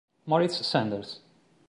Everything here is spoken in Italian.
Moritz Sanders